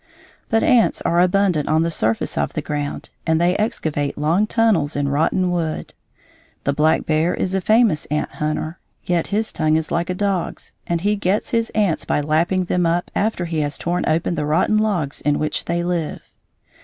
But ants are abundant on the surface of the ground, and they excavate long tunnels in rotten wood. The black bear is a famous ant hunter, yet his tongue is like a dog's and he gets his ants by lapping them up after he has torn open the rotten logs in which they live.